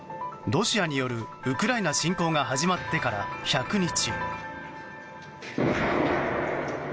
ロシアによるウクライナ侵攻が始まってから１００日。